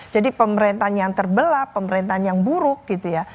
jadi pemerintahan yang terbelah pemerintahan yang buruk gitu ya